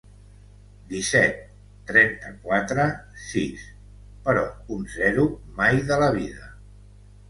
Disset, trenta-quatre, sis—, però un zero mai de la vida.